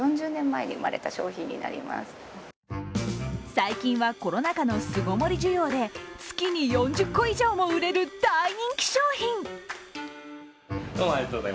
最近はコロナ禍の巣ごもり需要で月に４０個以上も売れる大人気商品！